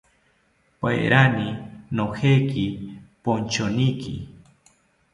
Paerani nojeki ponchoniki